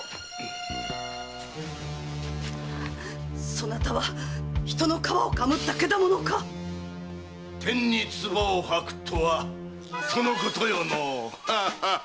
そなたは人の皮をかぶった獣か⁉天にツバを吐くとはそのことよのう。